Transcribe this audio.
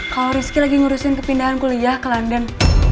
kalau rizky lagi ngurusin kepindahan kuliah ke london